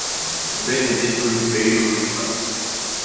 Benedito Ribeiro Lima